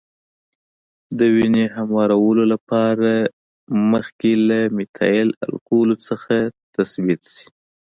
د وینې هموارولو لپاره مخکې له میتایل الکولو څخه تثبیت شي.